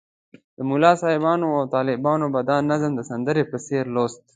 ملا صاحبانو او طالبانو به دا نظم د سندرې په څېر لوست.